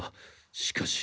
しかし。